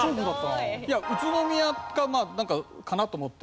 いや宇都宮かなんかかな？と思って。